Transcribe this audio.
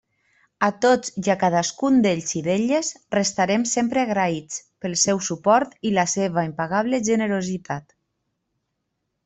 A tots i a cadascun d'ells i d'elles restarem sempre agraïts pel seu suport i la seva impagable generositat.